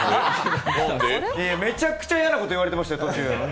めちゃくちゃ嫌なこと言われてましたよ、途中。